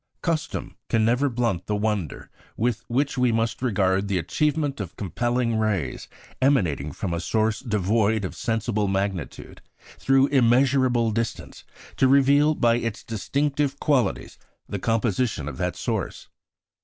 Custom can never blunt the wonder with which we must regard the achievement of compelling rays emanating from a source devoid of sensible magnitude through immeasurable distance, to reveal, by its distinctive qualities, the composition of that source.